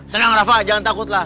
tenang raffa jangan takutlah